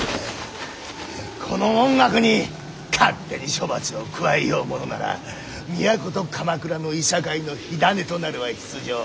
この文覚に勝手に処罰を加えようものなら都と鎌倉のいさかいの火種となるは必定。